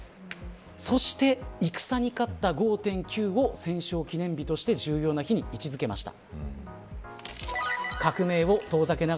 そして、戦に勝った５．９を戦勝記念日として重要な日に位置付けました。